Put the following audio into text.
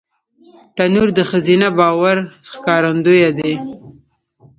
تنور د ښځینه باور ښکارندوی دی